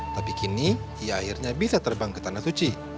tapi kini ia akhirnya bisa terbang ke tanah suci